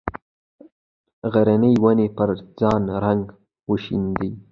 غرنې ونې پر ځان رنګ وشیندي